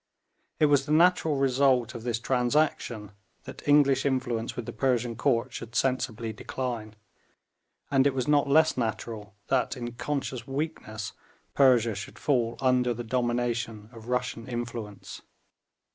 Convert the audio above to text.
It was the natural result of this transaction that English influence with the Persian Court should sensibly decline, and it was not less natural that in conscious weakness Persia should fall under the domination of Russian influence.